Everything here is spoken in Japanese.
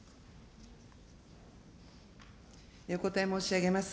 お答え申し上げます。